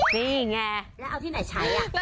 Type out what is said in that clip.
แล้วเอาที่ไหนใช้อ่ะ